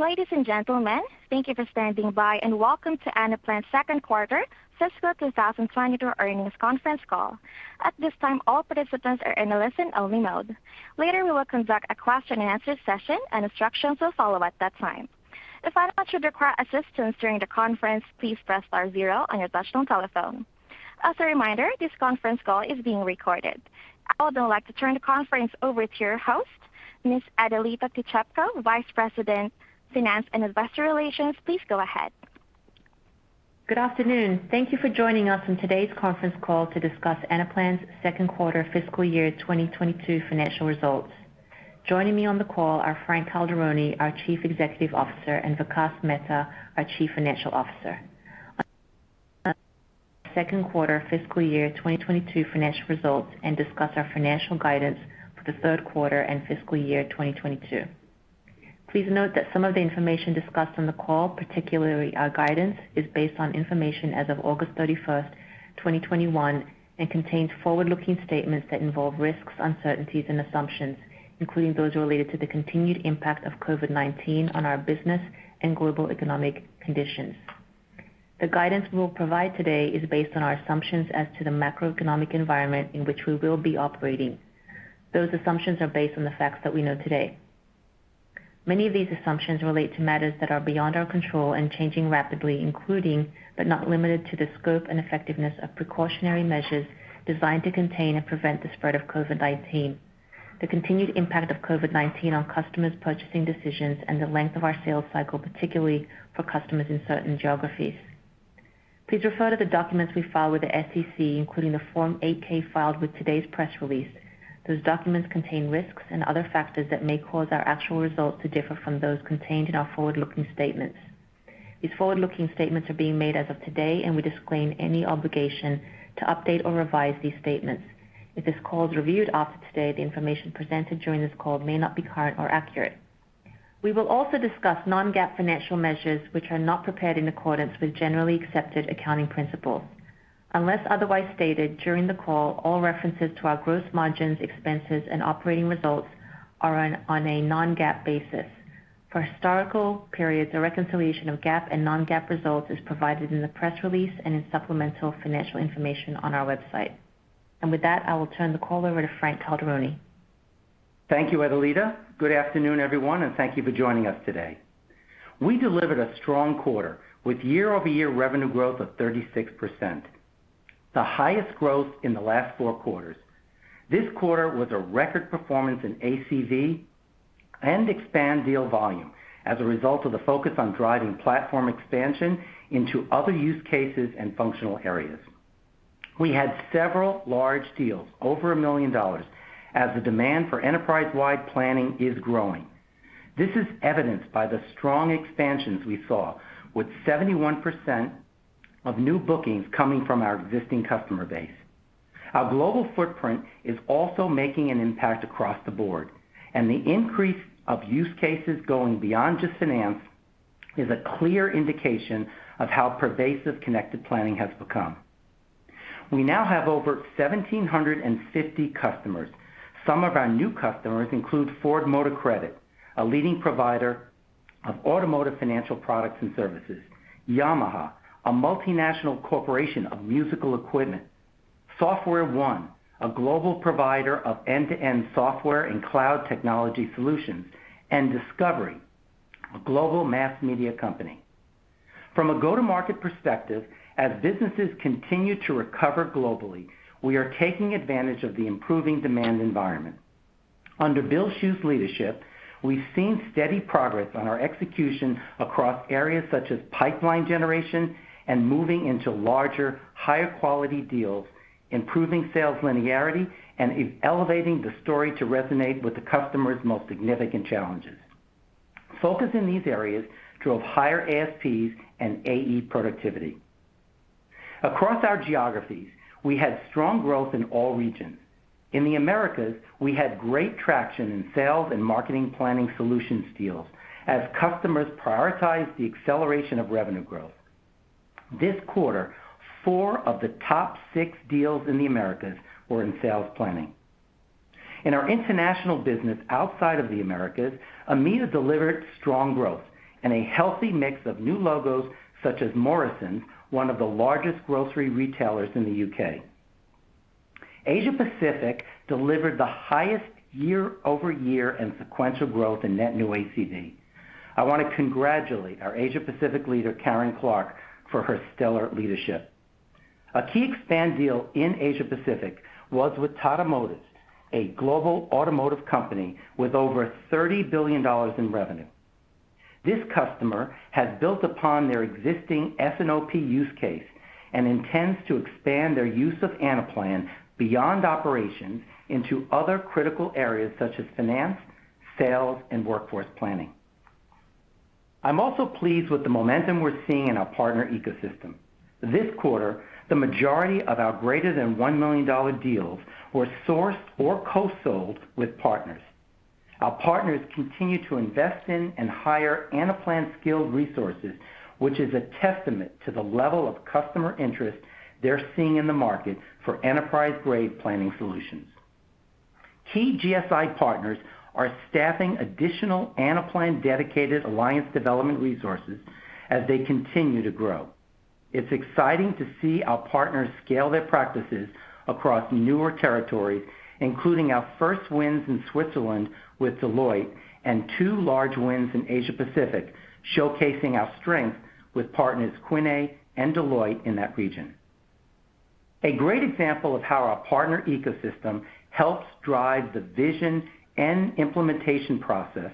Ladies and gentlemen, thank you for standing by, and welcome to Anaplan's second quarter fiscal 2022 earnings conference call. At this time, all participants are in a listen-only mode. Later, we will conduct a question-and-answer session, and instructions will follow at that time. If at all you should require assistance during the conference, please press star zero on your touchtone telephone. As a reminder, this conference call is being recorded. I would now like to turn the conference over to your host, Ms. Edelita Tichepco, Vice President, Finance and Investor Relations. Please go ahead. Good afternoon. Thank you for joining us on today's conference call to discuss Anaplan's second quarter fiscal year 2022 financial results. Joining me on the call are Frank Calderoni, our Chief Executive Officer, and Vikas Mehta, our Chief Financial Officer. Second quarter fiscal year 2022 financial results and discuss our financial guidance for the third quarter and fiscal year 2022. Please note that some of the information discussed on the call, particularly our guidance, is based on information as of August 31st, 2021, and contains forward-looking statements that involve risks, uncertainties, and assumptions, including those related to the continued impact of COVID-19 on our business and global economic conditions. The guidance we'll provide today is based on our assumptions as to the macroeconomic environment in which we will be operating. Those assumptions are based on the facts that we know today. Many of these assumptions relate to matters that are beyond our control and changing rapidly, including but not limited to the scope and effectiveness of precautionary measures designed to contain and prevent the spread of COVID-19, the continued impact of COVID-19 on customers' purchasing decisions, and the length of our sales cycle, particularly for customers in certain geographies. Please refer to the documents we filed with the SEC, including the Form 8-K filed with today's press release. Those documents contain risks and other factors that may cause our actual results to differ from those contained in our forward-looking statements. These forward-looking statements are being made as of today, and we disclaim any obligation to update or revise these statements. If this call is reviewed after today, the information presented during this call may not be current or accurate. We will also discuss non-GAAP financial measures, which are not prepared in accordance with generally accepted accounting principles. Unless otherwise stated during the call, all references to our gross margins, expenses, and operating results are on a non-GAAP basis. For historical periods, a reconciliation of GAAP and non-GAAP results is provided in the press release and in supplemental financial information on our website. With that, I will turn the call over to Frank Calderoni. Thank you, Edelita. Good afternoon, everyone, and thank you for joining us today. We delivered a strong quarter with year-over-year revenue growth of 36%, the highest growth in the last four quarters. This quarter was a record performance in ACV and expand deal volume as a result of the focus on driving platform expansion into other use cases and functional areas. We had several large deals over $1 million, as the demand for enterprise-wide planning is growing. This is evidenced by the strong expansions we saw with 71% of new bookings coming from our existing customer base. Our global footprint is also making an impact across the board, and the increase of use cases going beyond just finance is a clear indication of how pervasive Connected Planning has become. We now have over 1,750 customers. Some of our new customers include Ford Motor Credit, a leading provider of automotive financial products and services, Yamaha, a multinational corporation of musical equipment, SoftwareOne, a global provider of end-to-end software and cloud technology solutions, and Discovery, a global mass media company. From a go-to-market perspective, as businesses continue to recover globally, we are taking advantage of the improving demand environment. Under Bill Schuh's leadership, we've seen steady progress on our execution across areas such as pipeline generation and moving into larger, higher-quality deals, improving sales linearity, and elevating the story to resonate with the customer's most significant challenges. Focus in these areas drove higher ASPs and AE productivity. Across our geographies, we had strong growth in all regions. In the Americas, we had great traction in sales and marketing planning solutions deals as customers prioritize the acceleration of revenue growth. This quarter, four of the top six deals in the Americas were in sales planning. In our international business outside of the Americas, EMEIA delivered strong growth and a healthy mix of new logos such as Morrisons, one of the largest grocery retailers in the U.K. Asia-Pacific delivered the highest year-over-year and sequential growth in net new ACV. I want to congratulate our Asia-Pacific leader, Karen Clarke, for her stellar leadership. A key expand deal in Asia-Pacific was with Tata Motors, a global automotive company with over $30 billion in revenue. This customer has built upon their existing S&OP use case and intends to expand their use of Anaplan beyond operations into other critical areas such as finance, sales, and workforce planning. I'm also pleased with the momentum we're seeing in our partner ecosystem. This quarter, the majority of our greater than $1 million deals were sourced or co-sold with partners. Our partners continue to invest in and hire Anaplan-skilled resources, which is a testament to the level of customer interest they're seeing in the market for enterprise-grade planning solutions. Key GSI partners are staffing additional Anaplan dedicated alliance development resources as they continue to grow. It's exciting to see our partners scale their practices across newer territories, including our first wins in Switzerland with Deloitte and two large wins in Asia Pacific, showcasing our strength with partners Quinet and Deloitte in that region. A great example of how our partner ecosystem helps drive the vision and implementation process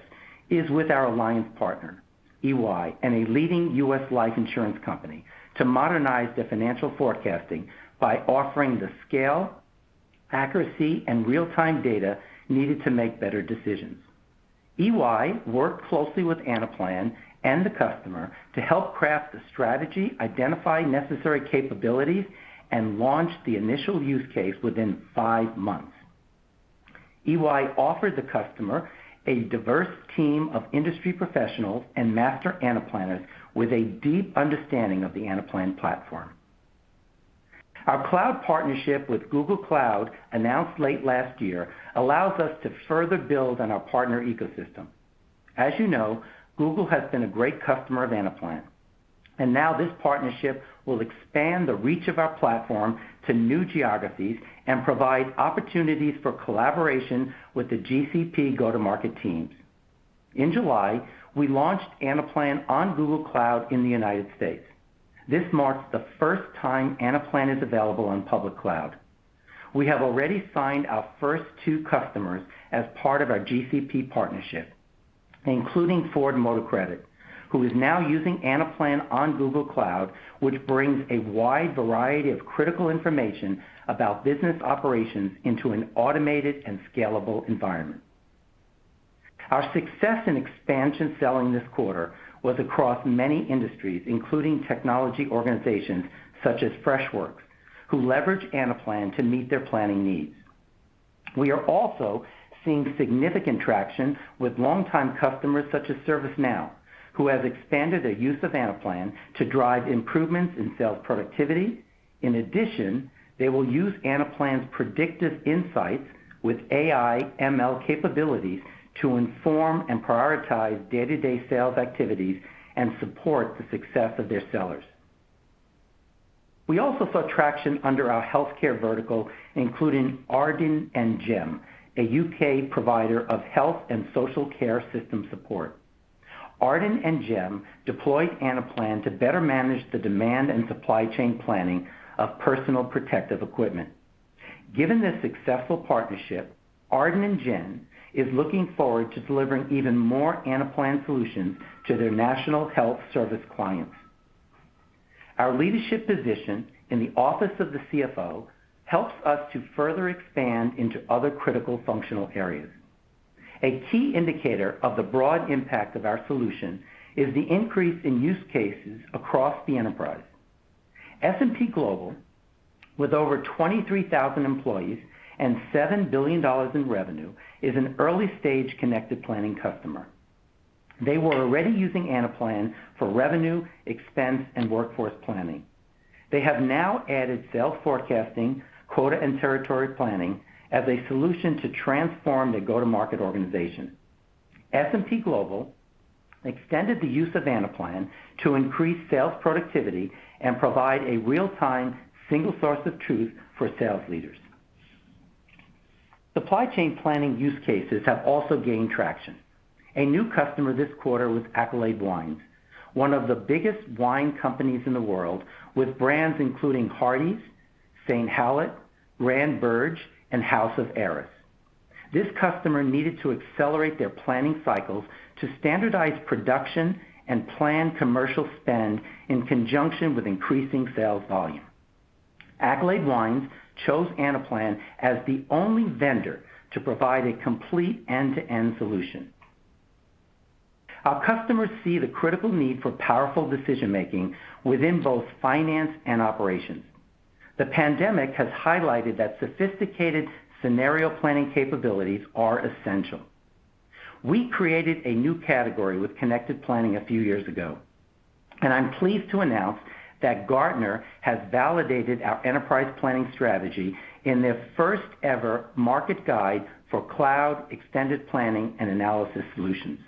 is with our alliance partner, EY, and a leading U.S. life insurance company, to modernize their financial forecasting by offering the scale, accuracy, and real-time data needed to make better decisions. EY worked closely with Anaplan and the customer to help craft the strategy, identify necessary capabilities, and launch the initial use case within five months. EY offered the customer a diverse team of industry professionals and Master Anaplanners with a deep understanding of the Anaplan platform. Our cloud partnership with Google Cloud, announced late last year, allows us to further build on our partner ecosystem. As you know, Google has been a great customer of Anaplan. Now this partnership will expand the reach of our platform to new geographies and provide opportunities for collaboration with the GCP go-to-market teams. In July, we launched Anaplan on Google Cloud in the U.S. This marks the first time Anaplan is available on public cloud. We have already signed our first two customers as part of our GCP partnership, including Ford Motor Credit, who is now using Anaplan on Google Cloud, which brings a wide variety of critical information about business operations into an automated and scalable environment. Our success in expansion selling this quarter was across many industries, including technology organizations such as Freshworks, who leverage Anaplan to meet their planning needs. We are also seeing significant traction with longtime customers such as ServiceNow, who have expanded their use of Anaplan to drive improvements in sales productivity. In addition, they will use Anaplan's predictive insights with AI/ML capabilities to inform and prioritize day-to-day sales activities and support the success of their sellers. We also saw traction under our healthcare vertical, including Arden & GEM, a U.K. provider of health and social care system support. Arden & GEM deployed Anaplan to better manage the demand and supply chain planning of personal protective equipment. Given this successful partnership, Arden & GEM is looking forward to delivering even more Anaplan solutions to their National Health Service clients. Our leadership position in the office of the CFO helps us to further expand into other critical functional areas. A key indicator of the broad impact of our solution is the increase in use cases across the enterprise. S&P Global, with over 23,000 employees and $7 billion in revenue, is an early-stage Connected Planning customer. They were already using Anaplan for revenue, expense, and workforce planning. They have now added sales forecasting, quota, and territory planning as a solution to transform their go-to-market organization. S&P Global extended the use of Anaplan to increase sales productivity and provide a real-time single source of truth for sales leaders. Supply chain planning use cases have also gained traction. A new customer this quarter was Accolade Wines, one of the biggest wine companies in the world, with brands including Hardys, St Hallett, Grant Burge, and House of Arras. This customer needed to accelerate their planning cycles to standardize production and plan commercial spend in conjunction with increasing sales volume. Accolade Wines chose Anaplan as the only vendor to provide a complete end-to-end solution. Our customers see the critical need for powerful decision-making within both finance and operations. The pandemic has highlighted that sophisticated scenario planning capabilities are essential. We created a new category with Connected Planning a few years ago, and I'm pleased to announce that Gartner has validated our enterprise planning strategy in their first-ever market guide for cloud extended planning and analysis solutions,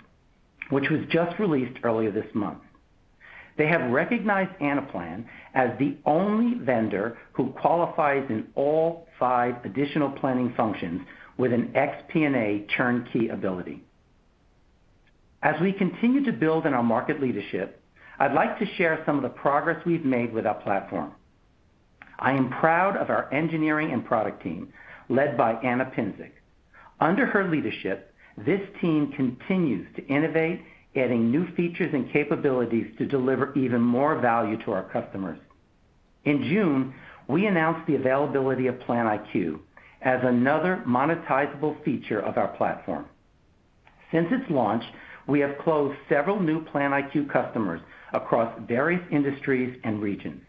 which was just released earlier this month. They have recognized Anaplan as the only vendor who qualifies in all five additional planning functions with an XP&A turnkey ability. As we continue to build on our market leadership, I'd like to share some of the progress we've made with our platform. I am proud of our engineering and product team led by Ana Pinczuk. Under her leadership, this team continues to innovate, adding new features and capabilities to deliver even more value to our customers. In June, we announced the availability of PlanIQ as another monetizable feature of our platform. Since its launch, we have closed several new PlanIQ customers across various industries and regions.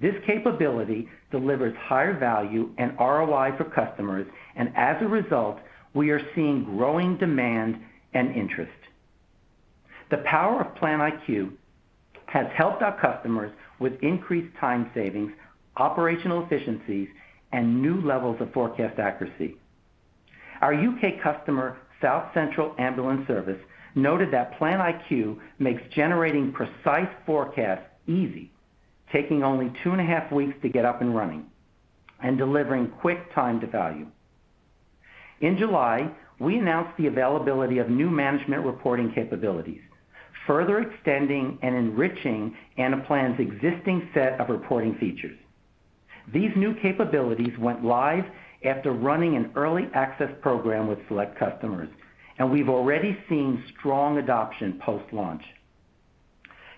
This capability delivers higher value and ROI for customers, as a result, we are seeing growing demand and interest. The power of PlanIQ has helped our customers with increased time savings, operational efficiencies, and new levels of forecast accuracy. Our U.K. customer, South Central Ambulance Service, noted that PlanIQ makes generating precise forecasts easy, taking only two and a half weeks to get up and running and delivering quick time to value. In July, we announced the availability of new management reporting capabilities, further extending and enriching Anaplan's existing set of reporting features. These new capabilities went live after running an early access program with select customers, and we've already seen strong adoption post-launch.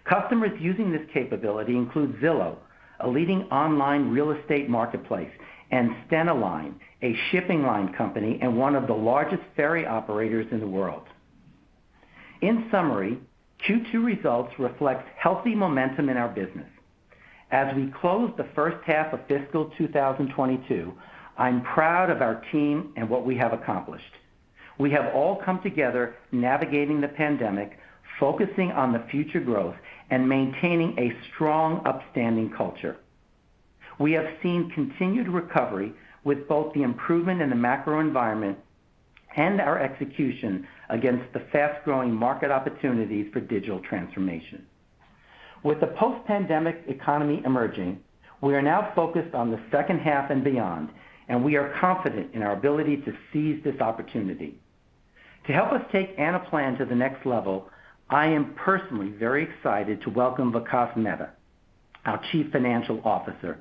Customers using this capability include Zillow, a leading online real estate marketplace, and Stena Line, a shipping line company and one of the largest ferry operators in the world. In summary, Q2 results reflect healthy momentum in our business. As we close the first half of fiscal 2022, I'm proud of our team and what we have accomplished. We have all come together, navigating the pandemic, focusing on the future growth, and maintaining a strong, upstanding culture. We have seen continued recovery with both the improvement in the macro environment and our execution against the fast-growing market opportunities for digital transformation. With the post-pandemic economy emerging, we are now focused on the second half and beyond. We are confident in our ability to seize this opportunity. To help us take Anaplan to the next level, I am personally very excited to welcome Vikas Mehta, our Chief Financial Officer.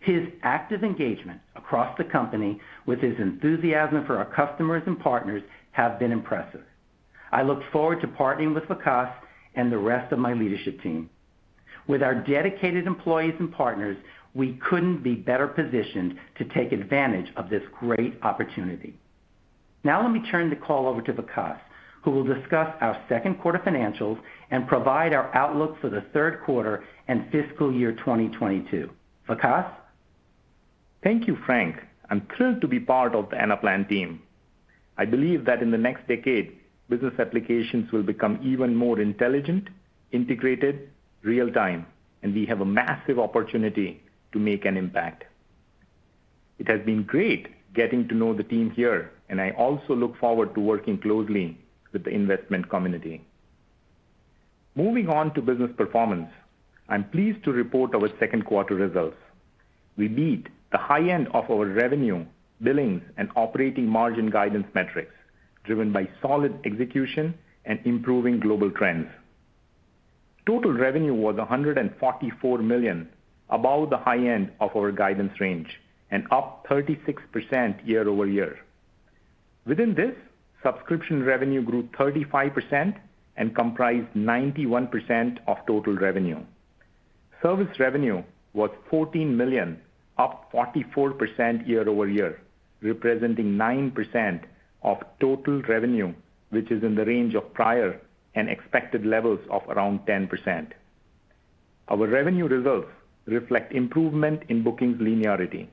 His active engagement across the company with his enthusiasm for our customers and partners has been impressive. I look forward to partnering with Vikas and the rest of my leadership team. With our dedicated employees and partners, we couldn't be better positioned to take advantage of this great opportunity. Now, let me turn the call over to Vikas, who will discuss our second-quarter financials and provide our outlook for the third quarter and fiscal year 2022. Vikas? Thank you, Frank. I'm thrilled to be part of the Anaplan team. I believe that in the next decade, business applications will become even more intelligent, integrated, real-time, and we have a massive opportunity to make an impact. It has been great getting to know the team here, and I also look forward to working closely with the investment community. Moving on to business performance, I'm pleased to report our second-quarter results. We beat the high end of our revenue, billings, and operating margin guidance metrics, driven by solid execution and improving global trends. Total revenue was $144 million, above the high end of our guidance range, and up 36% year-over-year. Within this, subscription revenue grew 35% and comprised 91% of total revenue. Service revenue was $14 million, up 44% year-over-year, representing 9% of total revenue, which is in the range of prior and expected levels of around 10%. Our revenue results reflect improvement in bookings linearity.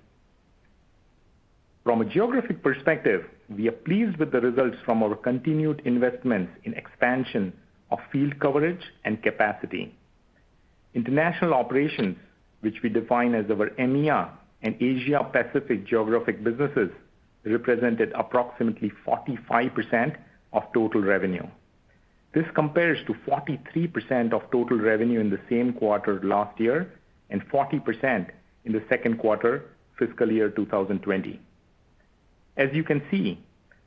From a geographic perspective, we are pleased with the results from our continued investments in expansion of field coverage and capacity. International operations, which we define as our EMEA and Asia Pacific geographic businesses, represented approximately 45% of total revenue. This compares to 43% of total revenue in the same quarter last year and 40% in the second quarter of fiscal year 2020. As you can see,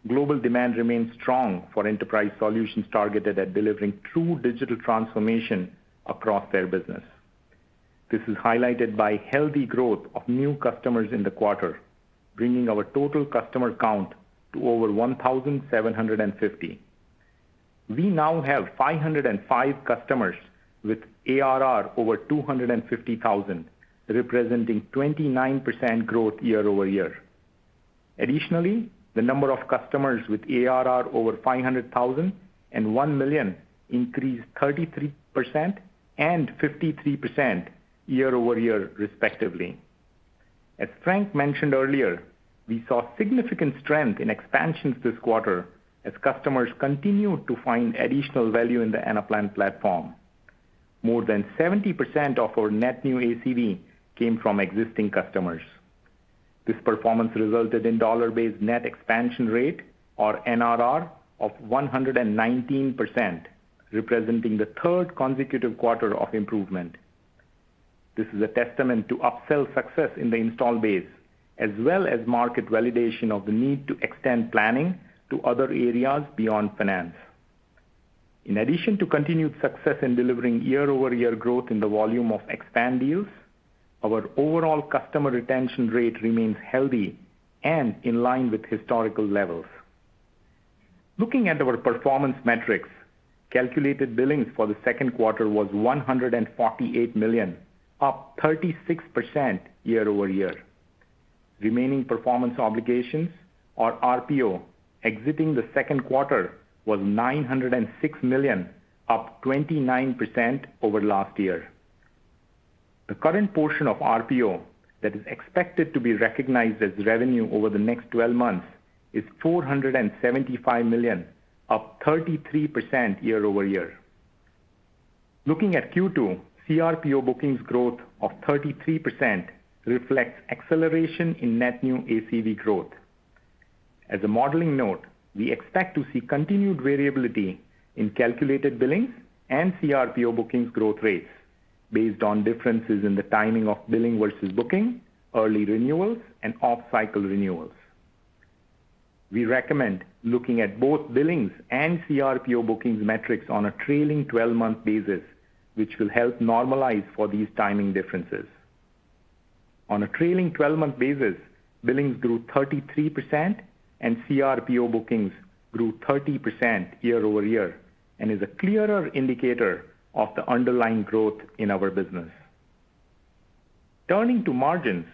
global demand remains strong for enterprise solutions targeted at delivering true digital transformation across their business. This is highlighted by healthy growth of new customers in the quarter, bringing our total customer count to over 1,750. We now have 505 customers with ARR over $250,000, representing 29% growth year-over-year. The number of customers with ARR over $500,000 and $1 million increased 33% and 53% year-over-year, respectively. As Frank mentioned earlier, we saw significant strength in expansions this quarter as customers continued to find additional value in the Anaplan platform. More than 70% of our net new ACV came from existing customers. This performance resulted in a dollar-based net expansion rate, or NRR, of 119%, representing the third consecutive quarter of improvement. This is a testament to upsell success in the install base, as well as market validation of the need to extend planning to other areas beyond finance. In addition to continued success in delivering year-over-year growth in the volume of expand deals, our overall customer retention rate remains healthy and in line with historical levels. Looking at our performance metrics, calculated billings for the second quarter were $148 million, up 36% year-over-year. Remaining performance obligations, or RPO, exiting the second quarter were $906 million, up 29% over last year. The current portion of RPO that is expected to be recognized as revenue over the next 12 months is $475 million, up 33% year-over-year. Looking at Q2, CRPO bookings growth of 33% reflects acceleration in net new ACV growth. As a modeling note, we expect to see continued variability in calculated billings and CRPO bookings growth rates based on differences in the timing of billing versus booking, early renewals, and off-cycle renewals. We recommend looking at both billings and CRPO bookings metrics on a trailing 12-month basis, which will help normalize for these timing differences. On a trailing 12-month basis, billings grew 33%, and CRPO bookings grew 30% year-over-year and is a clearer indicator of the underlying growth in our business. Turning to margins,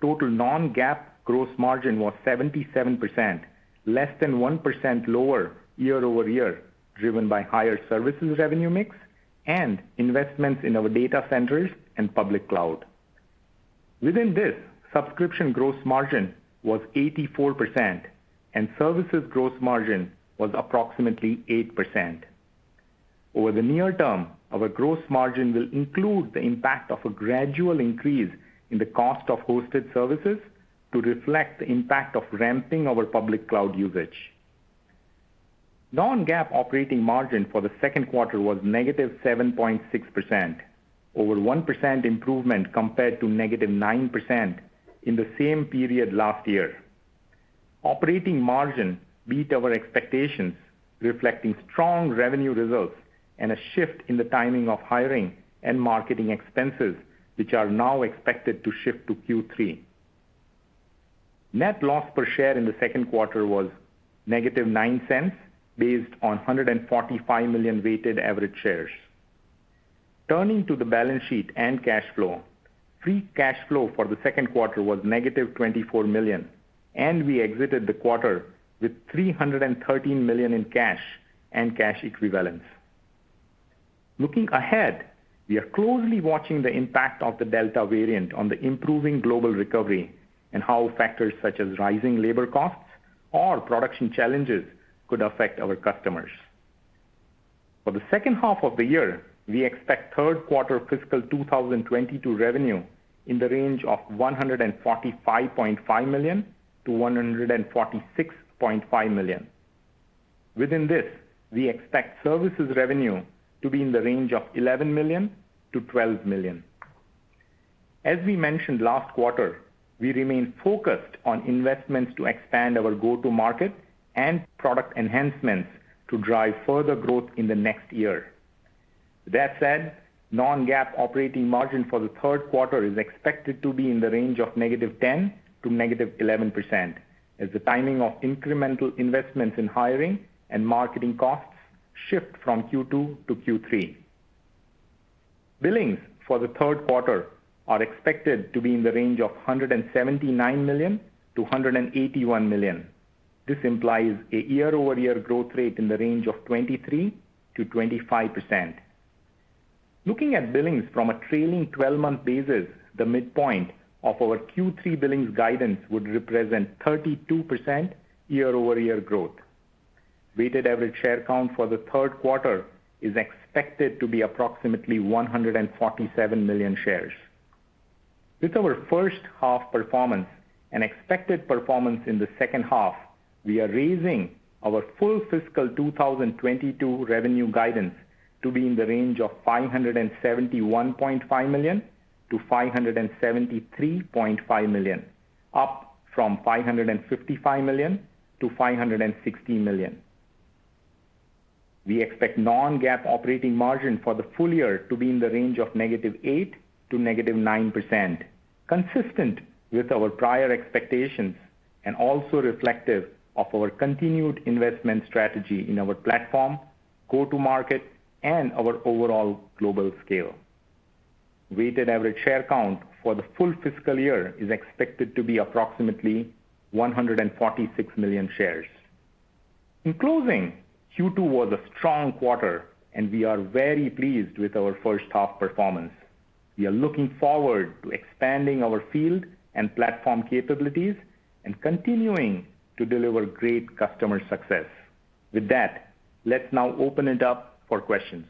total non-GAAP gross margin was 77%, less than 1% lower year-over-year, driven by a higher services revenue mix and investments in our data centers and public cloud. Within this, subscription gross margin was 84%, and services gross margin was approximately 8%. Over the near term, our growth margin will include the impact of a gradual increase in the cost of hosted services to reflect the impact of ramping our public cloud usage. Non-GAAP operating margin for the second quarter was negative 7.6%, over 1% improvement compared to negative 9% in the same period last year. Operating margin beat our expectations, reflecting strong revenue results and a shift in the timing of hiring and marketing expenses, which are now expected to shift to Q3. Net loss per share in the second quarter was negative $0.09, based on 145 million weighted average shares. Turning to the balance sheet and cash flow, free cash flow for the second quarter was negative $24 million, and we exited the quarter with $313 million in cash and cash equivalents. Looking ahead, we are closely watching the impact of the Delta variant on the improving global recovery and how factors such as rising labor costs or production challenges could affect our customers. For the second half of the year, we expect third-quarter fiscal 2022 revenue in the range of $145.5 million-$146.5 million. Within this, we expect services revenue to be in the range of $11 million-$12 million. As we mentioned last quarter, we remain focused on investments to expand our go-to market and product enhancements to drive further growth in the next year. That said, non-GAAP operating margin for the third quarter is expected to be in the range of -10% to -11% as the timing of incremental investments in hiring and marketing costs shift from Q2 to Q3. Billings for the third quarter are expected to be in the range of $179 million-$181 million. This implies a year-over-year growth rate in the range of 23%-25%. Looking at billings from a trailing 12-month basis, the midpoint of our Q3 billings guidance would represent 32% year-over-year growth. Weighted average share count for the third quarter is expected to be approximately 147 million shares. With our first half performance and expected performance in the second half, we are raising our full fiscal 2022 revenue guidance to be in the range of $571.5 million-$573.5 million, up from $555 million-$560 million. We expect non-GAAP operating margin for the full year to be in the range of -8% to -9%, consistent with our prior expectations and also reflective of our continued investment strategy in our platform, go-to market, and our overall global scale. Weighted average share count for the full fiscal year is expected to be approximately 146 million shares. In closing, Q2 was a strong quarter, and we are very pleased with our first-half performance. We are looking forward to expanding our field and platform capabilities and continuing to deliver great customer success. With that, let's now open it up for questions.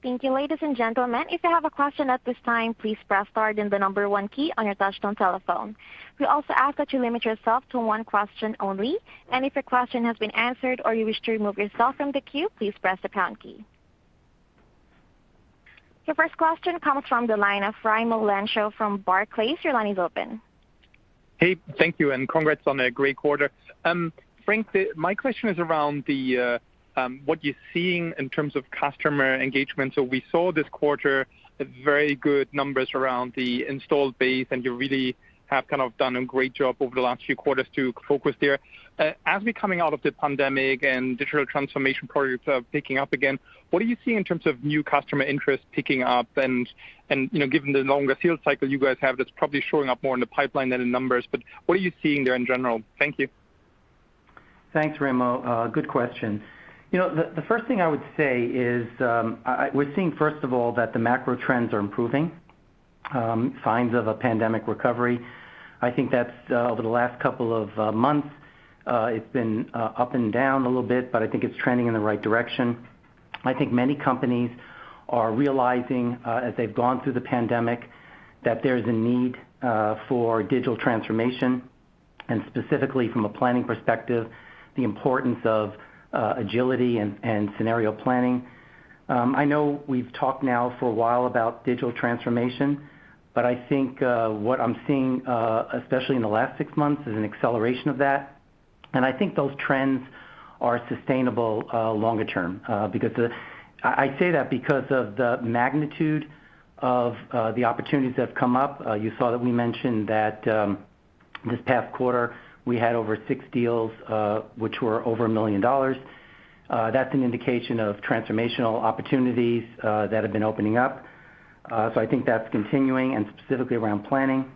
Thank you, ladies and gentlemen. If you have a question at this time, please press star then the number one key on your touchtone telephone. We also ask that you limit yourself to one question only, and if your question has been answered or you wish to remove yourself from the queue, please press the pound key. Your first question comes from the line of Raimo Lenschow from Barclays. Your line is open. Hey, thank you, and congrats on a great quarter. Frank, my question is around what you're seeing in terms of customer engagement. We saw this quarter very good numbers around the installed base, and you really have done a great job over the last few quarters to focus there. As we're coming out of the pandemic and digital transformation projects are picking up again, what are you seeing in terms of new customer interest picking up, and given the longer sales cycle you guys have, that's probably showing up more in the pipeline than in numbers, but what are you seeing there in general? Thank you. Thanks, Raimo. Good question. The first thing I would say is, we're seeing, first of all, that the macro trends are improving, signs of a pandemic recovery. I think that, over the last couple of months, it's been up and down a little bit, but I think it's trending in the right direction. I think many companies are realizing, as they've gone through the pandemic, that there's a need for digital transformation, and specifically from a planning perspective, the importance of agility and scenario planning. I know we've talked now for a while about digital transformation, but I think what I'm seeing, especially in the last six months, is an acceleration of that. I think those trends are sustainable longer term. I say that because of the magnitude of the opportunities that have come up. You saw that we mentioned that this past quarter, we had over six deals, which were over $1 million. That's an indication of transformational opportunities that have been opening up. I think that's continuing, and specifically around planning.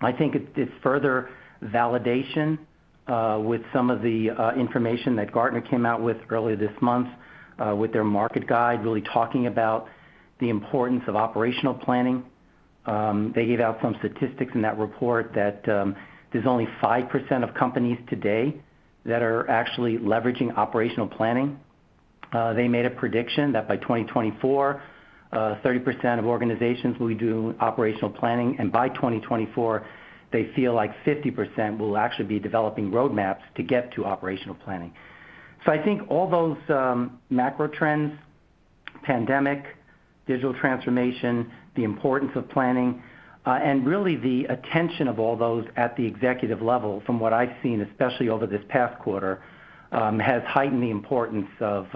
I think it's further validation with some of the information that Gartner came out with earlier this month, with their market guide, really talking about the importance of operational planning. They gave out some statistics in that report that there's only 5% of companies today that are actually leveraging operational planning. They made a prediction that by 2024, 30% of organizations will be doing operational planning. By 2024, they feel like 50% will actually be developing roadmaps to get to operational planning. I think all those macro trends, pandemic, digital transformation, the importance of planning, and really the attention of all those at the executive level, from what I've seen, especially over this past quarter, have heightened the importance of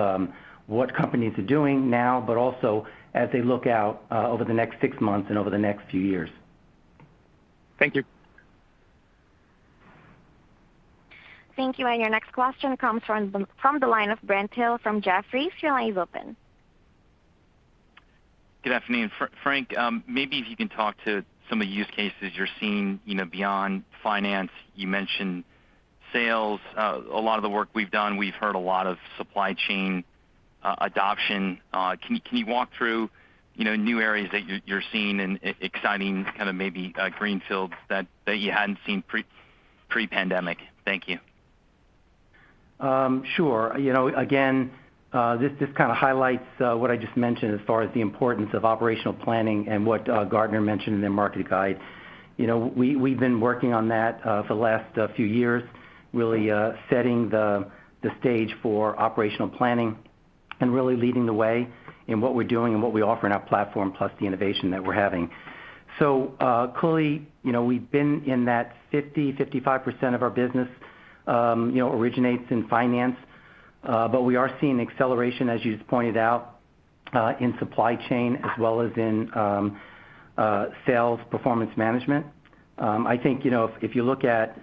what companies are doing now, but also as they look out over the next six months and over the next few years. Thank you. Thank you. Your next question comes from the line of Brent Thill from Jefferies. Your line is open. Good afternoon. Frank, maybe if you can talk to some of the use cases you're seeing beyond finance. You mentioned sales. A lot of the work we've done, we've heard a lot of supply chain adoption. Can you walk through new areas that you're seeing and exciting, kind of maybe greenfields that you hadn't seen pre-pandemic? Thank you. Sure. This kind of highlights what I just mentioned as far as the importance of operational planning and what Gartner mentioned in their market guide. We've been working on that for the last few years, really setting the stage for operational planning and really leading the way in what we're doing and what we offer in our platform, plus the innovation that we're having. Clearly, we've been in that 50%-55% of our business originates in finance. We are seeing acceleration, as you just pointed out, in supply chain as well as in sales performance management. I think, if you look at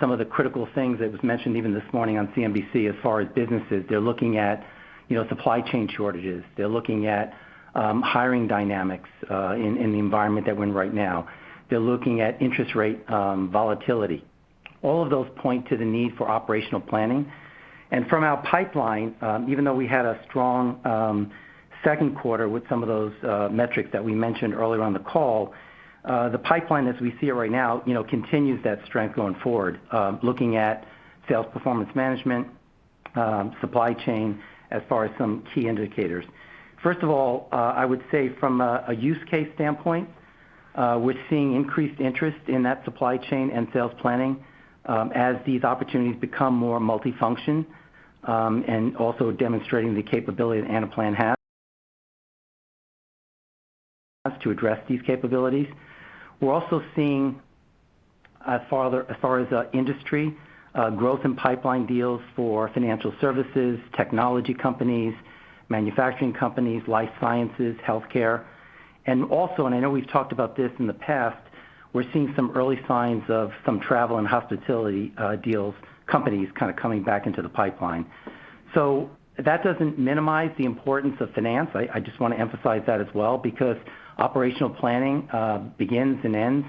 some of the critical things that was mentioned even this morning on CNBC as far as businesses, they're looking at supply chain shortages. They're looking at hiring dynamics in the environment that we're in right now. They're looking at interest rate volatility. All of those point to the need for operational planning. From our pipeline, even though we had a strong second quarter with some of those metrics that we mentioned earlier on the call, the pipeline, as we see it right now, continues that strength going forward, looking at sales performance management, supply chain, as far as some key indicators. First of all, I would say from a use case standpoint, we're seeing increased interest in that supply chain and sales planning as these opportunities become more multifunction, also demonstrating the capability that Anaplan has to address these capabilities. We're also seeing, as far as industry, growth in pipeline deals for financial services, technology companies, manufacturing companies, life sciences, healthcare. Also, I know we've talked about this in the past, we're seeing some early signs of some travel and hospitality deals, companies kind of coming back into the pipeline. That doesn't minimize the importance of finance. I just want to emphasize that as well, because operational planning begins and ends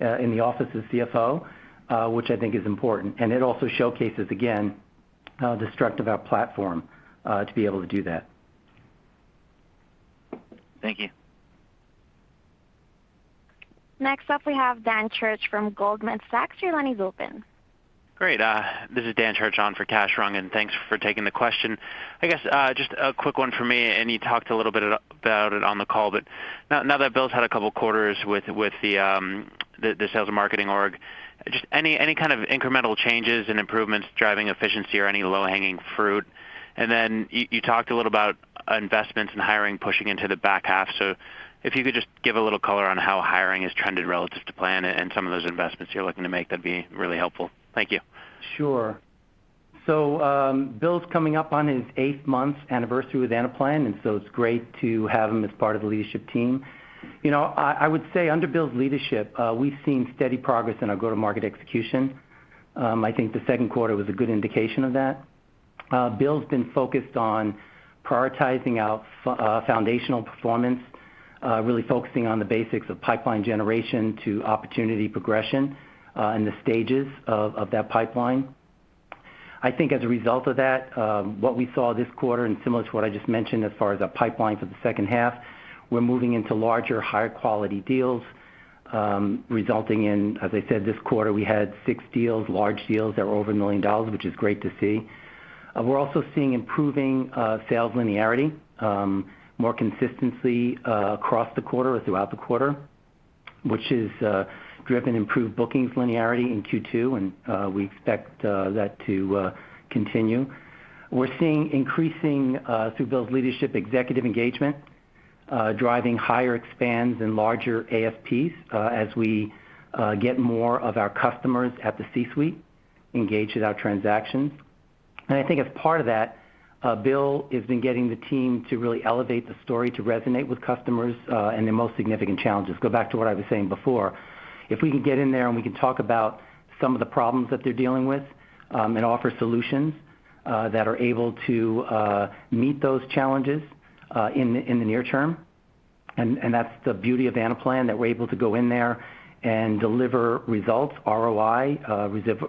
in the office of the CFO, which I think is important. It also showcases, again, the strength of our platform to be able to do that. Thank you. Next up, we have Daniel Church from Goldman Sachs. Your line is open. Great. This is Daniel Church on for Kash Rangan. Thanks for taking the question. I guess, just a quick one for me, and you talked a little bit about it on the call, but now that Bill's had a couple quarters with the sales and marketing org, just any kind of incremental changes and improvements driving efficiency or any low-hanging fruit? You talked a little about investments in hiring, pushing into the back half. If you could just give a little color on how hiring has trended relative to plan and some of those investments you're looking to make, that'd be really helpful. Thank you. Sure. Bill's coming up on his eight-month anniversary with Anaplan, and so it's great to have him as part of the leadership team. Under Bill's leadership, we've seen steady progress in our go-to-market execution. The second quarter was a good indication of that. Bill's been focused on prioritizing our foundational performance, really focusing on the basics of pipeline generation to opportunity progression, and the stages of that pipeline. As a result of that, what we saw this quarter, and similar to what I just mentioned as far as our pipeline for the second half, we're moving into larger, higher quality deals, resulting in, as I said, this quarter, we had six deals, large deals that were over $1 million, which is great to see. We're also seeing improving sales linearity, more consistency across the quarter or throughout the quarter, which has driven improved bookings linearity in Q2. We expect that to continue. We're seeing increasing, through Bill's leadership, executive engagement, driving higher expands and larger ASPs as we get more of our customers at the C-suite engaged with our transactions. I think as part of that, Bill has been getting the team to really elevate the story to resonate with customers and their most significant challenges. Go back to what I was saying before. If we can get in there, and we can talk about some of the problems that they're dealing with, and offer solutions that are able to meet those challenges in the near term, and that's the beauty of Anaplan, that we're able to go in there and deliver results, ROI,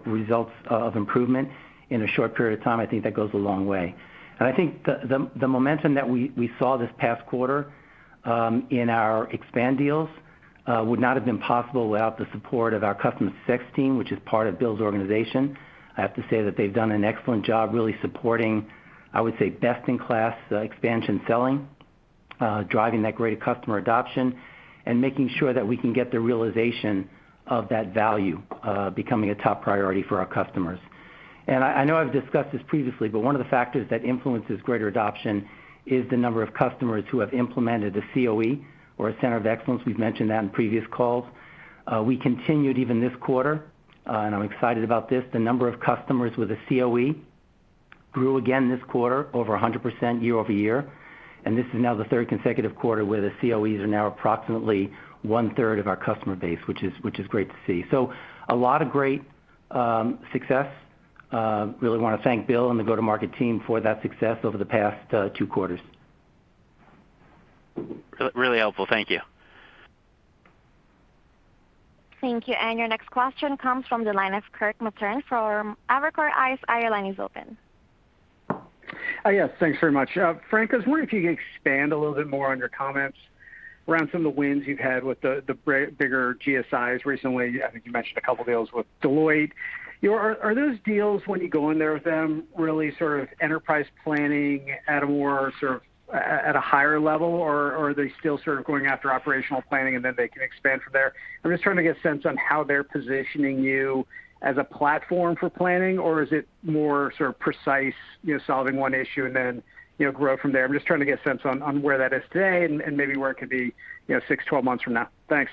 results of improvement in a short period of time. I think that goes a long way. I think the momentum that we saw this past quarter in our expand deals would not have been possible without the support of our customer success team, which is part of Bill's organization. I have to say that they've done an excellent job really supporting, I would say, best-in-class expansion selling, driving that greater customer adoption, and making sure that we can get the realization of that value becoming a top priority for our customers. I know I've discussed this previously, but one of the factors that influences greater adoption is the number of customers who have implemented a COE, or a center of excellence. We've mentioned that in previous calls. We continued even this quarter, and I'm excited about this. The number of customers with a COE grew again this quarter over 100% year-over-year, and this is now the third consecutive quarter where the COEs are now approximately one-third of our customer base, which is great to see. A lot of great success. Really want to thank Bill and the go-to-market team for that success over the past two quarters. Really helpful. Thank you. Thank you. Your next question comes from the line of Kirk Materne from Evercore ISI. Your line is open. Yes, thanks very much. Frank, I was wondering if you could expand a little bit more on your comments around some of the wins you've had with the bigger GSIs recently. I think you mentioned a couple of deals with Deloitte. Are those deals, when you go in there with them, really enterprise planning at a more higher level, or are they still going after operational planning, and then they can expand from there? I'm just trying to get a sense on how they're positioning you as a platform for planning, or is it more precise, solving one issue and then grow from there? I'm just trying to get a sense on where that is today and maybe where it could be six, 12 months from now. Thanks.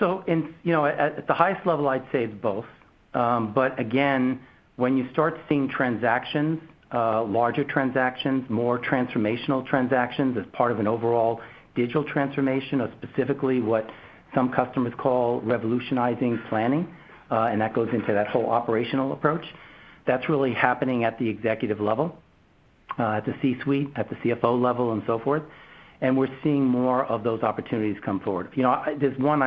At the highest level, I'd say both. Again, when you start seeing transactions, larger transactions, more transformational transactions as part of an overall digital transformation of specifically what some customers call revolutionizing planning, and that goes into that whole operational approach, that's really happening at the executive level, at the C-suite, at the CFO level, and so forth. We're seeing more of those opportunities come forward. There's one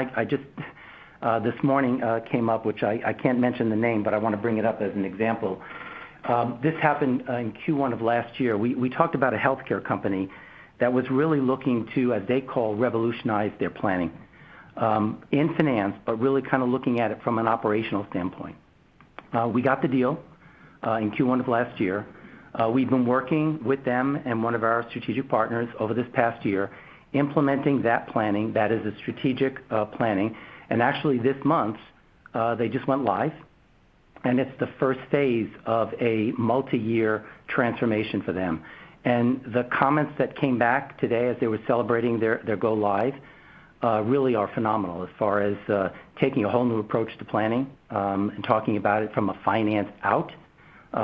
this morning came up, which I can't mention the name, but I want to bring it up as an example. This happened in Q1 of last year. We talked about a healthcare company that was really looking to, as they call, revolutionize their planning, in finance, but really kind of looking at it from an operational standpoint. We got the deal in Q1 of last year. We've been working with them and one of our strategic partners over this past year, implementing that planning. That is a strategic planning. Actually, this month, they just went live, and it's the first phase of a multi-year transformation for them. The comments that came back today, as they were celebrating their go-live, really are phenomenal as far as taking a whole new approach to planning, and talking about it from a finance out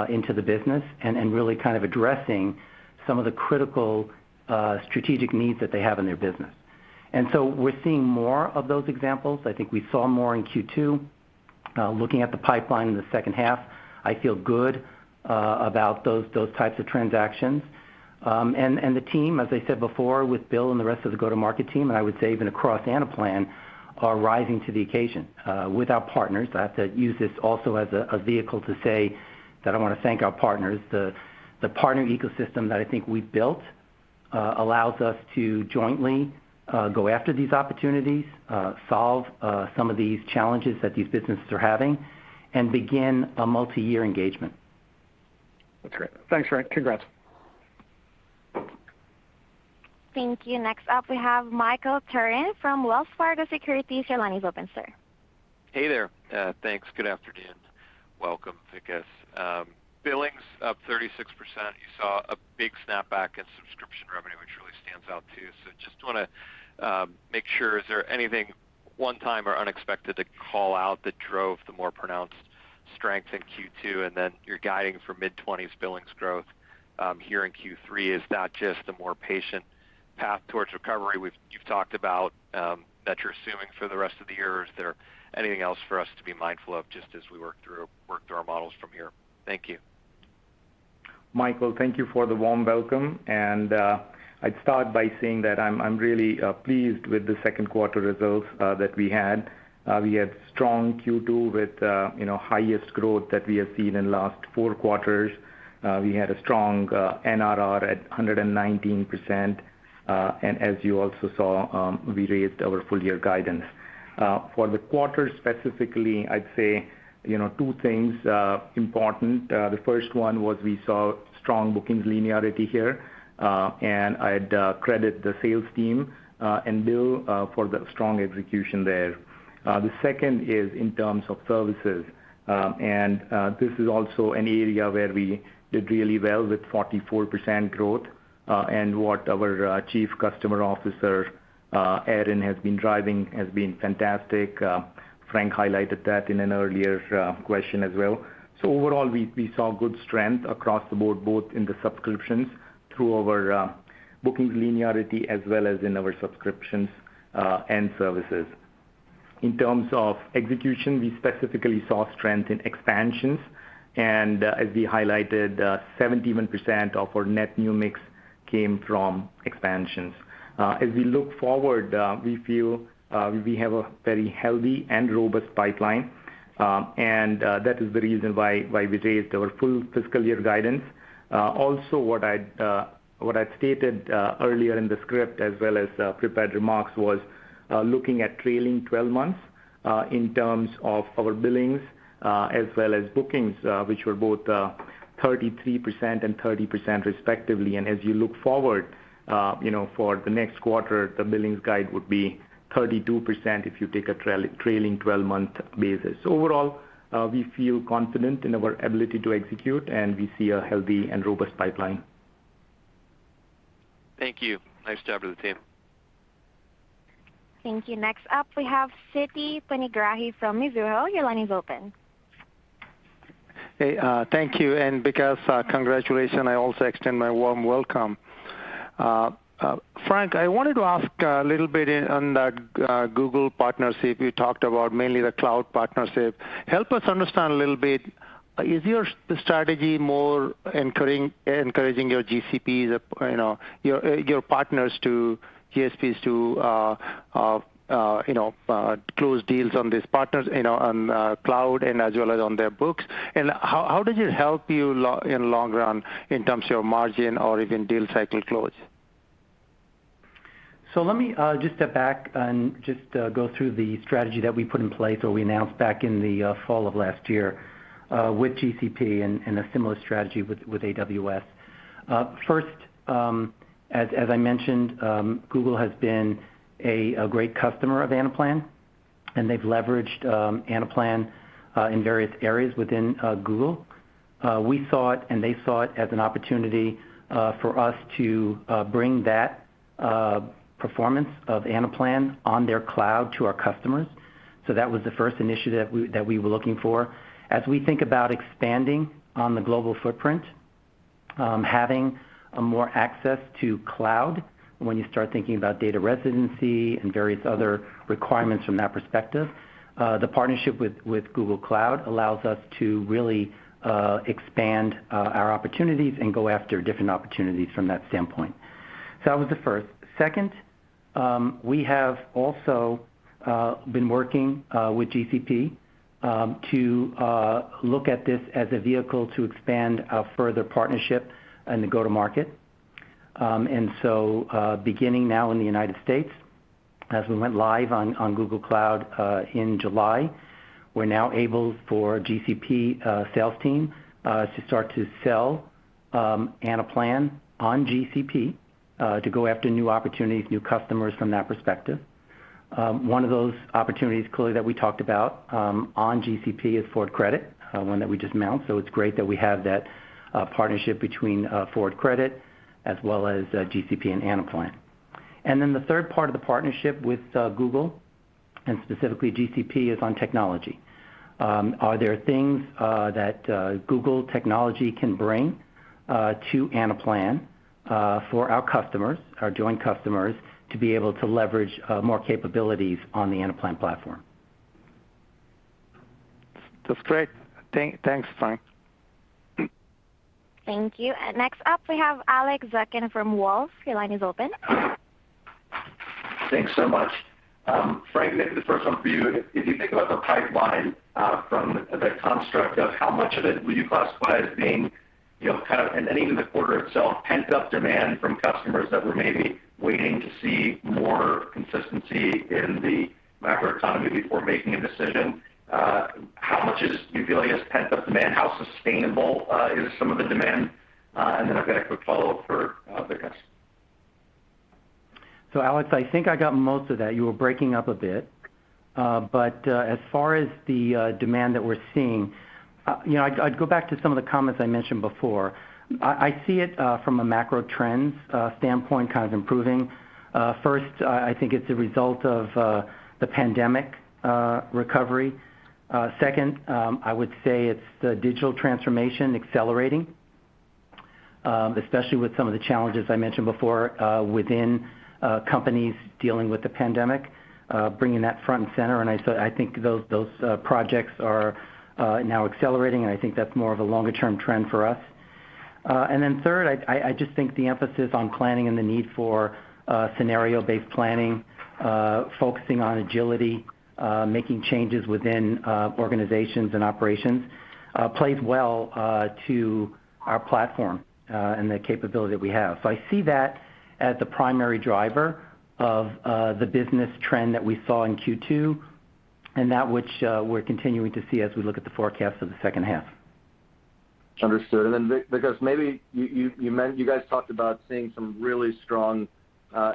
into the business, and really kind of addressing some of the critical strategic needs that they have in their business. We're seeing more of those examples. I think we saw more in Q2. Looking at the pipeline in the second half, I feel good about those types of transactions. The team, as I said before, with Bill and the rest of the go-to-market team, and I would say even across Anaplan, are rising to the occasion. With our partners. I have to use this also as a vehicle to say that I want to thank our partners. The partner ecosystem that I think we've built allows us to jointly go after these opportunities, solve some of these challenges that these businesses are having, and begin a multi-year engagement. That's great. Thanks, Frank. Congrats. Thank you. Next up, we have Michael Turrin from Wells Fargo Securities. Your line is open, sir. Hey there. Thanks. Good afternoon. Welcome, I guess. Billings up 36%. You saw a big snapback in subscription revenue, which really stands out too. Just want to make sure, is there anything one-time or unexpected to call out that drove the more pronounced strength in Q2? You're guiding for mid-20s billings growth here in Q3. Is that just a more patient path towards recovery you've talked about that you're assuming for the rest of the year? Is there anything else for us to be mindful of, just as we work through our models from here? Thank you. Michael, thank you for the warm welcome. I'd start by saying that I'm really pleased with the second quarter results that we had. We had a strong Q2 with the highest growth that we have seen in the last four quarters. We had a strong NRR at 119%. As you also saw, we raised our full-year guidance. For the quarter specifically, I'd say two things are important. The first one was that we saw strong bookings linearity here. I'd credit the sales team and Bill for the strong execution there. The second is in terms of services. This is also an area where we did really well with 44% growth. What our Chief Customer Officer, Erin, has been driving has been fantastic. Frank highlighted that in an earlier question as well. Overall, we saw good strength across the board, both in the subscriptions through our bookings linearity as well as in our subscriptions and services. In terms of execution, we specifically saw strength in expansions, and as we highlighted, 71% of our net new mix came from expansions. We look forward, we feel we have a very healthy and robust pipeline, and that is the reason why we raised our full fiscal year guidance. Also, what I'd stated earlier in the script, as well as prepared remarks, was looking at trailing 12 months, in terms of our billings, as well as bookings, which were both 33% and 30%, respectively. As you look forward for the next quarter, the billings guide would be 32% if you take a trailing 12-month basis. Overall, we feel confident in our ability to execute, and we see a healthy and robust pipeline. Thank you. Nice job to the team. Thank you. Next up, we have Siti Panigrahi from Mizuho. Your line is open. Hey, thank you, and Vikas, congratulations. I also extend my warm welcome. Frank, I wanted to ask a little bit on that Google partnership you talked about, mainly the cloud partnership. Help us understand a little bit. Is your strategy more encouraging your GCPs, your partners to GSPs to close deals on these partners on cloud and as well as on their books? How does it help you in long run in terms of your margin or even deal cycle close? Let me just step back and just go through the strategy that we put in place that we announced back in the fall of last year, with GCP and a similar strategy with AWS. First, as I mentioned, Google has been a great customer of Anaplan, and they've leveraged Anaplan in various areas within Google. We saw it, and they saw it as an opportunity for us to bring that performance of Anaplan on their cloud to our customers. That was the first initiative that we were looking for. As we think about expanding on the global footprint, having a more access to cloud when you start thinking about data residency and various other requirements from that perspective, the partnership with Google Cloud allows us to really expand our opportunities and go after different opportunities from that standpoint. That was the first. We have also been working with GCP to look at this as a vehicle to expand our further partnership and the go-to-market. Beginning now in the U.S., as we went live on Google Cloud in July, we're now able for GCP sales team to start to sell Anaplan on GCP, to go after new opportunities, new customers from that perspective. One of those opportunities clearly that we talked about on GCP is Ford Credit, one that we just announced. It's great that we have that partnership between Ford Credit as well as GCP, and Anaplan. The third part of the partnership with Google, and specifically GCP, is on technology. Are there things that Google technology can bring to Anaplan for our customers, our joint customers, to be able to leverage more capabilities on the Anaplan platform? That's great. Thanks, Frank. Thank you. Next up, we have Alex Zukin from Wolfe. Your line is open. Thanks so much. Frank, maybe the first one for you. If you think about the pipeline from the construct of how much of it will you classify as being kind of, and even the quarter itself, pent-up demand from customers that were maybe waiting to see more consistency in the macro economy before making a decision, how much is, do you feel is pent-up demand? How sustainable is some of the demand? Then I've got a quick follow-up for Vikas. Alex, I think I got most of that. You were breaking up a bit. As far as the demand that we're seeing, I'd go back to some of the comments I mentioned before. I see it from a macro trends standpoint, kind of improving. First, I think it's a result of the pandemic recovery. Second, I would say it's the digital transformation accelerating. Especially with some of the challenges I mentioned before within companies dealing with the pandemic, bringing that front and center, and I think those projects are now accelerating, and I think that's more of a longer-term trend for us. Third, I just think the emphasis on planning and the need for scenario-based planning, focusing on agility, making changes within organizations and operations, plays well to our platform and the capability that we have. I see that as the primary driver of the business trend that we saw in Q2, and that which we're continuing to see as we look at the forecast for the second half. Understood. Vikas, maybe you guys talked about seeing some really strong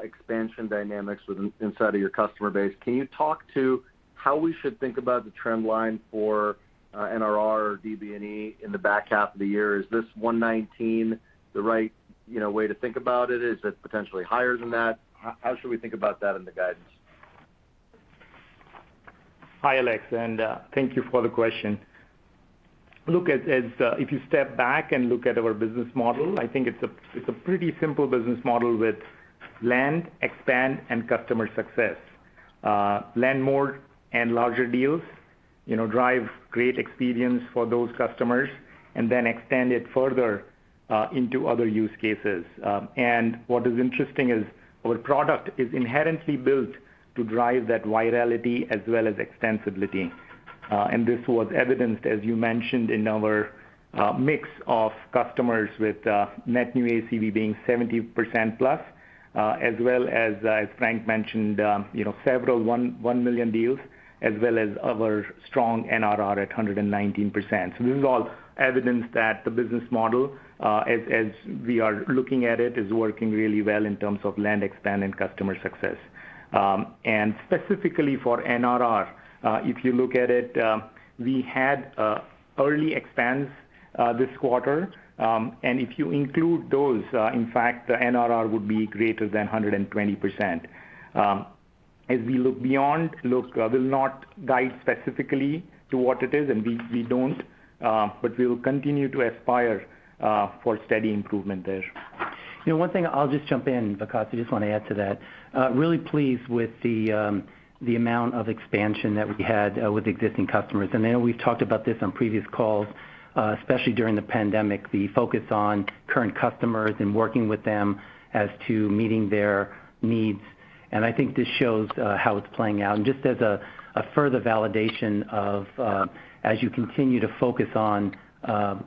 expansion dynamics inside of your customer base. Can you talk to how we should think about the trend line for NRR or DBNE in the back half of the year? Is this 119% the right way to think about it? Is it potentially higher than that? How should we think about that in the guidance? Hi, Alex, and thank you for the question. Look, if you step back and look at our business model, I think it's a pretty simple business model with land, expand, and customer success. Land more and larger deals, drive a great experience for those customers, and then extend it further into other use cases. What is interesting is our product is inherently built to drive that virality as well as extensibility. This was evidenced, as you mentioned, in our mix of customers with net new ACV being 70% plus, as well as Frank mentioned, several $1 million deals, as well as our strong NRR at 119%. This is all evidence that the business model, as we are looking at it, is working really well in terms of land expand and customer success. Specifically for NRR, if you look at it, we had early expands this quarter. If you include those, in fact, the NRR would be greater than 120%. As we look beyond, look, I will not guide specifically to what it is, and we don't, we will continue to aspire for steady improvement there. One thing, I'll just jump in, Vikas, I just want to add to that. Really pleased with the amount of expansion that we had with existing customers. I know we've talked about this on previous calls, especially during the pandemic, the focus on current customers and working with them as to meeting their needs, and I think this shows how it's playing out. Just as a further validation of, as you continue to focus on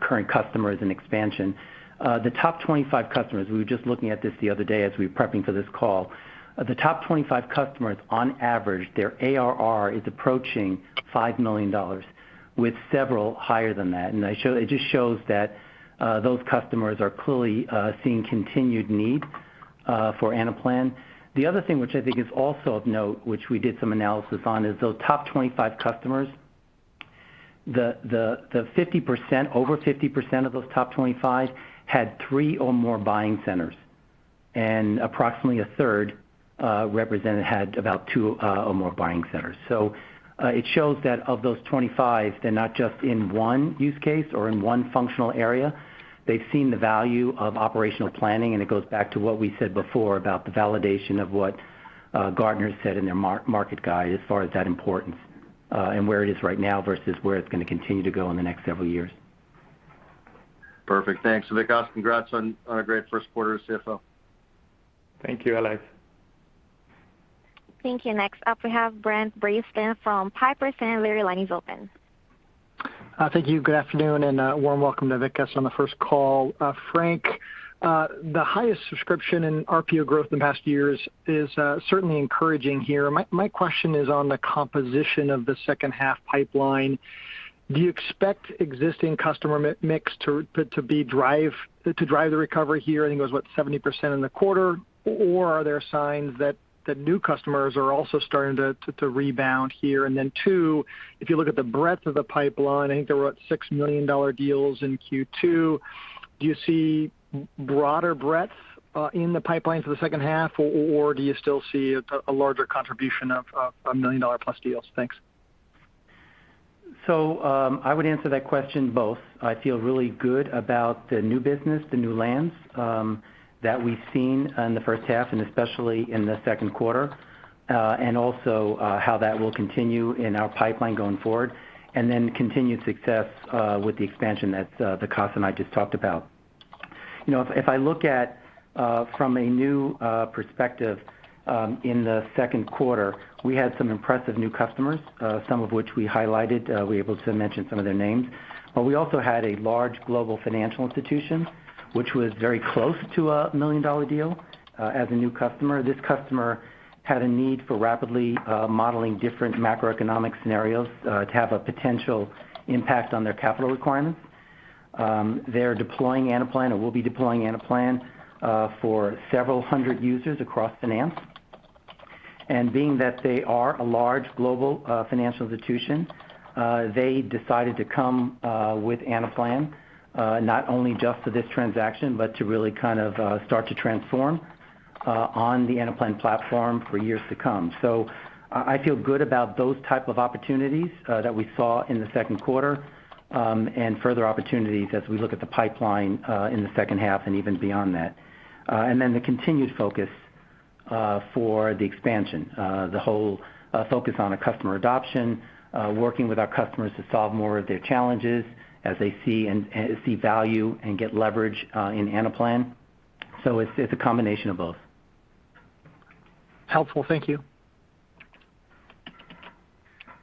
current customers and expansion, the top 25 customers, we were just looking at this the other day as we were prepping for this call. The top 25 customers, on average, their ARR is approaching $5 million, with several higher than that. It just shows that those customers are clearly seeing a continued need for Anaplan. The other thing which I think is also of note, which we did some analysis on, is those top 25 customers, over 50% of those top 25 had three or more buying centers, and approximately a third represented had about two or more buying centers. It shows that of those 25, they're not just in one use case or in one functional area. They've seen the value of operational planning, and it goes back to what we said before about the validation of what Gartner said in their market guide as far as that importance, and where it is right now versus where it's going to continue to go in the next several years. Perfect. Thanks, Vikas. Congrats on a great first quarter as CFO. Thank you, Alex. Thank you. Next up, we have Brent Bracelin from Piper Sandler. Line is open. Thank you. Good afternoon, and a warm welcome to Vikas on the first call. Frank, the highest subscription in RPO growth in the past year is certainly encouraging here. My question is on the composition of the second half pipeline. Do you expect existing customer mix to drive the recovery here? I think it was, what, 70% in the quarter, or are there signs that new customers are also starting to rebound here? Two, if you look at the breadth of the pipeline, I think there were, what, $6 million deals in Q2. Do you see broader breadth in the pipeline for the second half, or do you still see a larger contribution of a million-dollar-plus deals? Thanks. I would answer that question both. I feel really good about the new business, the new lands that we've seen in the first half and especially in the second quarter, and also how that will continue in our pipeline going forward, and then continued success, with the expansion that Vikas and I just talked about. If I look at from a new perspective, in the second quarter, we had some impressive new customers, some of which we highlighted. We were able to mention some of their names. We also had a large global financial institution, which was very close to a $1 million deal, as a new customer. This customer had a need for rapidly modeling different macroeconomic scenarios to have a potential impact on their capital requirements. They're deploying Anaplan, or will be deploying Anaplan for several hundred users across finance. Being that they are a large global financial institution, they decided to come with Anaplan, not only just for this transaction, but to really start to transform on the Anaplan platform for years to come. I feel good about those types of opportunities that we saw in the second quarter, and further opportunities as we look at the pipeline in the second half and even beyond that. The continued focus for the expansion, the whole focus on customer adoption, working with our customers to solve more of their challenges as they see value and get leverage in Anaplan. It's a combination of both. Helpful. Thank you.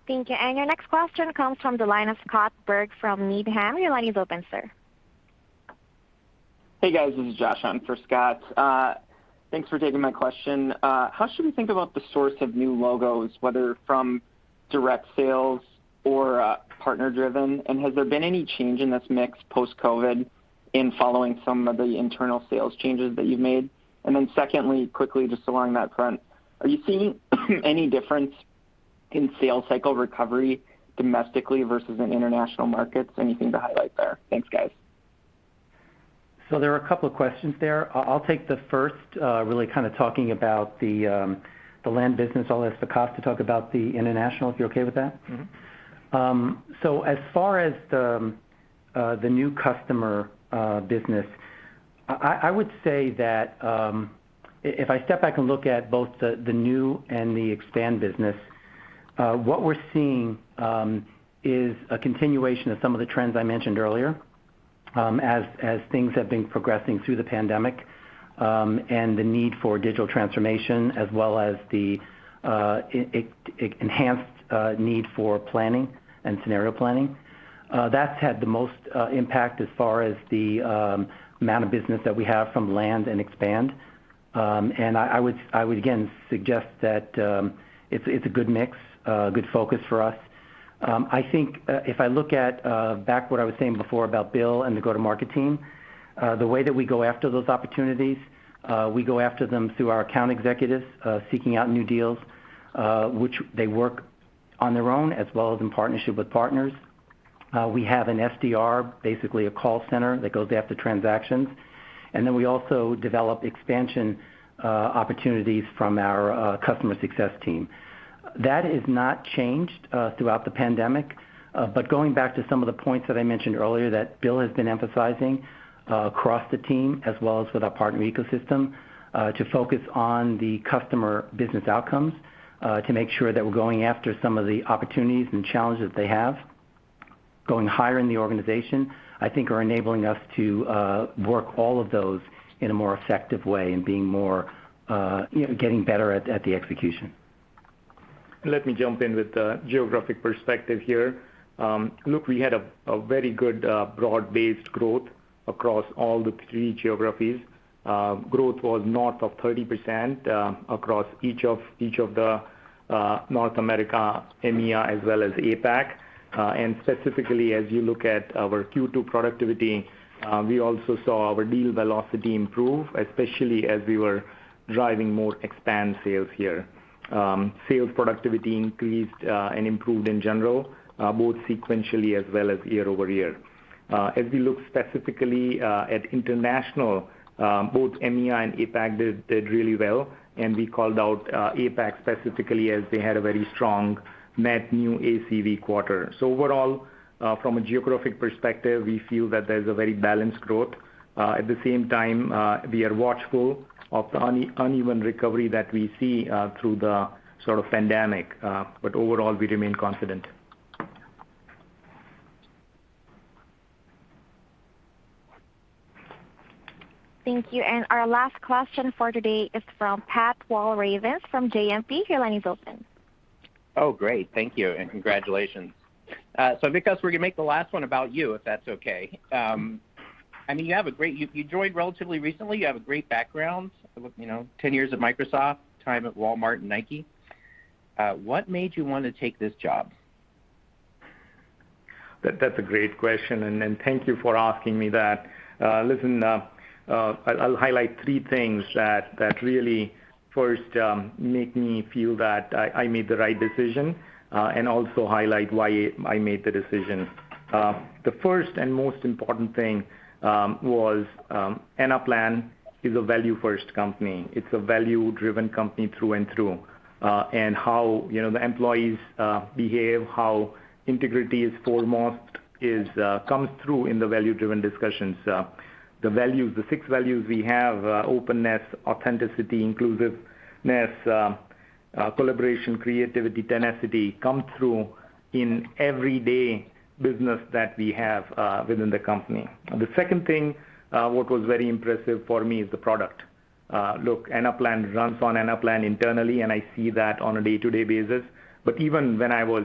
Thank you. Your next question comes from the line of Scott Berg from Needham. Your line is open, sir. Hey, guys. This is Josh on for Scott. Thanks for taking my question. How should we think about the source of new logos, whether from direct sales or partner-driven? Has there been any change in this mix post-COVID-19 in following some of the internal sales changes that you've made? Secondly, quickly, just along that front, are you seeing any difference in sales cycle recovery domestically versus in international markets? Anything to highlight there? Thanks, guys. There are a couple of questions there. I'll take the first, really kind of talking about the land business. I'll ask Vikas to talk about the international, if you're okay with that. As far as the new customer business, I would say that if I step back and look at both the new and the expand business, what we're seeing is a continuation of some of the trends I mentioned earlier, as things have been progressing through the pandemic, and the need for digital transformation, as well as the enhanced need for planning and scenario planning. That's had the most impact as far as the amount of business that we have from land and expand. I would again suggest that it's a good mix, a good focus for us. I think if I look at back what I was saying before about Bill and the go-to-market team, the way that we go after those opportunities, we go after them through our account executives, seeking out new deals, which they work on their own as well as in partnership with partners. We have an SDR, basically a call center that goes after transactions, and then we also develop expansion opportunities from our customer success team. That has not changed throughout the pandemic, going back to some of the points that I mentioned earlier that Bill has been emphasizing across the team as well as with our partner ecosystem, to focus on the customer business outcomes, to make sure that we're going after some of the opportunities and challenges they have, going higher in the organization, I think are enabling us to work all of those in a more effective way and getting better at the execution. Let me jump in with the geographic perspective here. Look, we had a very good broad-based growth across all the three geographies. Growth was north of 30% across each of the North America, EMEA, as well as APAC. Specifically, as you look at our Q2 productivity, we also saw our deal velocity improve, especially as we were driving more expand sales here. Sales productivity increased and improved in general, both sequentially as well as year-over-year. As we look specifically at international, both EMEA and APAC did really well, and we called out APAC specifically, as they had a very strong net new ACV quarter. Overall, from a geographic perspective, we feel that there's a very balanced growth. At the same time, we are watchful of the uneven recovery that we see through the sort of pandemic. Overall, we remain confident. Thank you. Our last question for today is from Pat Walravens from JMP. Your line is open. Oh, great. Thank you and congratulations. Vikas, we're going to make the last one about you, if that's okay. You joined relatively recently. You have a great background, 10 years at Microsoft, time at Walmart, and Nike. What made you want to take this job? That's a great question. Thank you for asking me that. Listen, I'll highlight three things that really, first, make me feel that I made the right decision, and also highlight why I made the decision. The first and most important thing was Anaplan is a value-first company. It's a value-driven company through and through. How the employees behave, how integrity is foremost, comes through in the value-driven discussions. The six values we have, openness, authenticity, inclusiveness, collaboration, creativity, tenacity, come through in everyday business that we have within the company. The second thing that was very impressive for me is the product. Look, Anaplan runs on Anaplan internally, and I see that on a day-to-day basis. Even when I was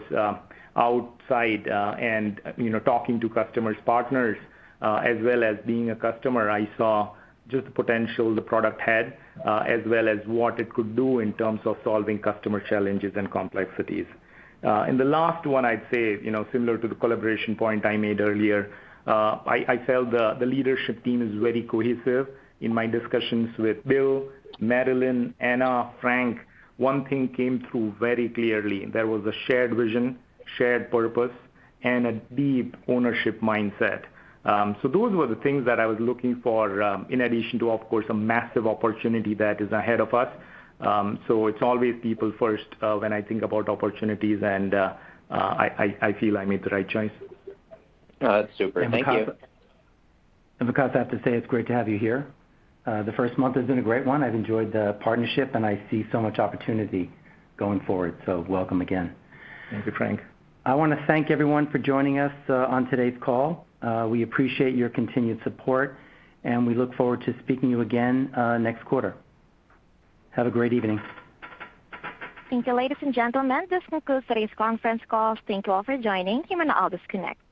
outside and talking to customers, partners, as well as being a customer, I saw just the potential the product had, as well as what it could do in terms of solving customer challenges and complexities. The last one, I'd say, similar to the collaboration point I made earlier, I felt the leadership team is very cohesive. In my discussions with Bill, Marilyn, Ana, Frank, one thing came through very clearly. There was a shared vision, shared purpose, and a deep ownership mindset. Those were the things that I was looking for, in addition to, of course, a massive opportunity that is ahead of us. It's always people first when I think about opportunities, and I feel I made the right choice. That's super. Thank you. Vikas, I have to say, it's great to have you here. The first month has been a great one. I've enjoyed the partnership, and I see so much opportunity going forward. Welcome again. Thank you, Frank. I want to thank everyone for joining us on today's call. We appreciate your continued support, and we look forward to speaking to you again next quarter. Have a great evening. Thank you, ladies and gentlemen. This concludes today's conference call. Thank you all for joining. You may now disconnect.